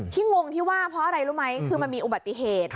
งงที่ว่าเพราะอะไรรู้ไหมคือมันมีอุบัติเหตุ